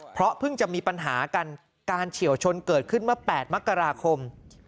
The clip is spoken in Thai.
เพราะเพิ่งจะมีปัญหากันการเฉียวชนเกิดขึ้นเมื่อ๘มกราคม